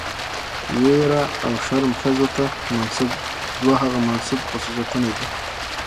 ويره او شرم ښځو ته منسوب دوه هغه منسوب خصوصيتونه دي،